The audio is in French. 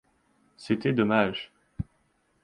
C’était dommage !